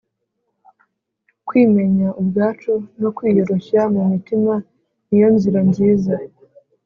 Kwimenya ubwacu no kwiyoroshya mu mutima ni yo nzira nziza